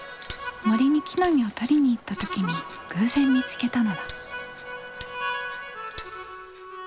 森に木の実を取りに行った時に偶然見つけたのだ。